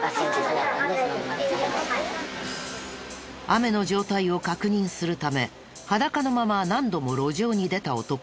雨の状態を確認するため裸のまま何度も路上に出た男。